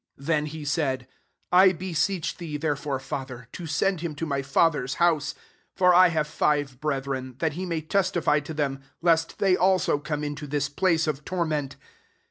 27 " Then he said, * I beseech thee< therefore, father, to send him to my father's house ;^ for I have five brethren; that he may testify to them, lest they also come into this place of torment.'